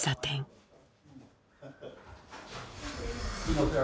すいません。